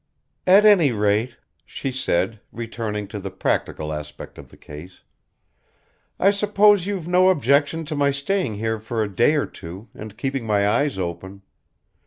"At any rate," she said, returning to the practical aspect of the case, "I suppose you've no objection to my staying here for a day or two, and keeping my eyes open.